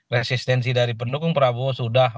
resistensi dari pendukung prabowo sudah